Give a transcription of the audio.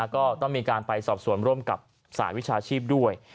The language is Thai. ก็ต้องไปสอบสวนร่วมกับศาสตร์วิชาชีพด้วย